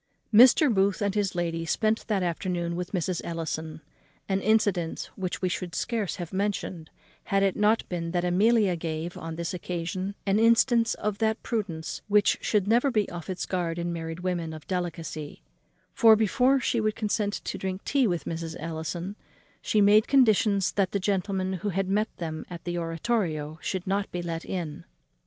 Mr. Booth and his lady spent that afternoon with Mrs. Ellison an incident which we should scarce have mentioned, had it not been that Amelia gave, on this occasion, an instance of that prudence which should never be off its guard in married women of delicacy; for, before she would consent to drink tea with Mrs. Ellison, she made conditions that the gentleman who had met them at the oratorio should not be let in.